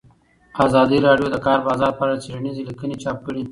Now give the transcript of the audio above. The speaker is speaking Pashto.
ازادي راډیو د د کار بازار په اړه څېړنیزې لیکنې چاپ کړي.